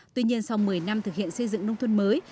tuy nhiên sau một mươi năm thực hiện xây dựng nông thôn mới